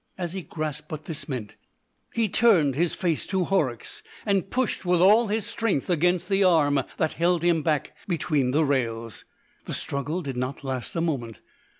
As he grasped what this meant, he turned his face to Horrocks, and pushed with all his strength against the arm that held him back between the rails. The struggle did not last a moment.